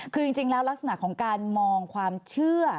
คือจริงแล้วลักษณะของการมองความเชื่อ